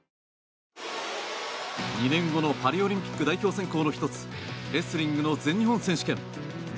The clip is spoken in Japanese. ２年後のパリオリンピック代表選考の１つレスリングの全日本選手権。